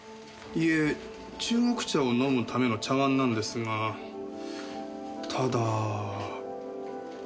いえ中国茶を飲むための茶碗なんですがただ。